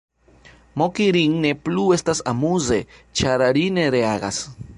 Moki rin ne plu estas amuze ĉar ri ne reagas.